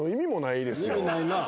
意味ないなぁ。